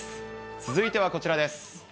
続いてはこちらです。